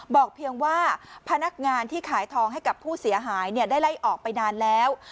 เพียงว่าพนักงานที่ขายทองให้กับผู้เสียหายได้ไล่ออกไปนานแล้ว